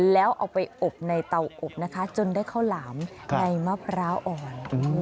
แล้วเอาไปอบในเตาอบนะคะจนได้ข้าวหลามในมะพร้าวอ่อน